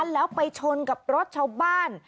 แล้วไปชนกับรถชาวบ้าน